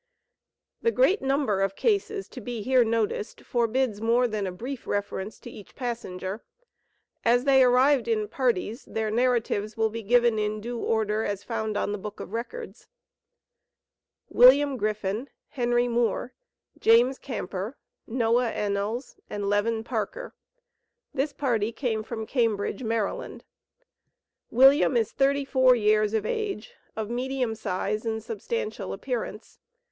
The great number of cases to be here noticed forbids more than a brief reference to each passenger. As they arrived in parties, their narratives will be given in due order as found on the book of records: William Griffen, Henry Moor, James Camper, Noah Ennells and Levin Parker. This party came from Cambridge, Md. William is thirty four years of age, of medium size and substantial appearance.